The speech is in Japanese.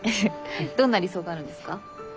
どんな理想があるんですか？